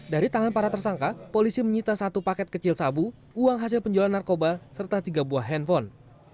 dari tangan para tersangka polisi menyita satu paket kecil sabu uang hasil penjualan narkoba serta tiga buah handphone